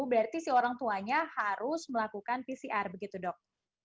berarti si orang tuanya harus melakukan pcr begitu dok